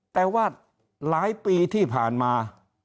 แต่ว่าหลายปีที่ผ่านมา